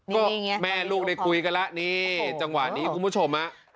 ก็แม่ลูกได้คุยกันแล้วนี่จังหวะนี้คุณผู้ชมฮะ